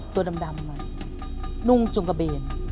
ตัวดำหนุ่งจงกระเบน